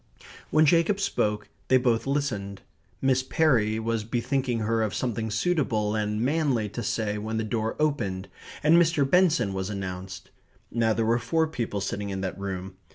When Jacob spoke they both listened. Miss Perry was bethinking her of something suitable and manly to say when the door opened and Mr. Benson was announced. Now there were four people sitting in that room.